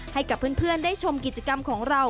ให้กับเพื่อนได้ชมกิจกรรมของเรา